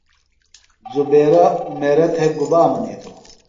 زبیرہ عمیرہ تھےۡ گُبا منیتوۡ؟